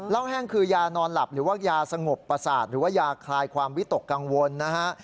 แห้งคือยานอนหลับหรือว่ายาสงบประสาทหรือว่ายาคลายความวิตกกังวลนะฮะ